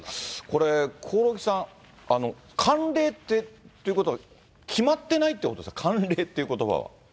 これ、興梠さん、慣例ということは、決まってないってことですか、慣例っていうことばは。